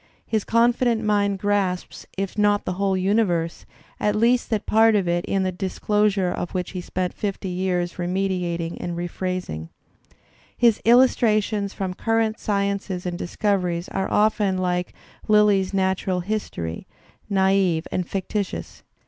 His confident mind grasps, if not the whole universe, at least that part of it in the disclosure of which he spent fifty years remeditating and rephrasing. His illustrations from current sciences and discoveries are often like Lyly's natural history, naive and fictitious.